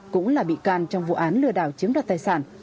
cũng là bị can trong vụ án lừa đảo chiếm đoạt tài sản